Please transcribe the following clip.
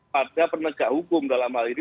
pada penegak hukum dalam hal ini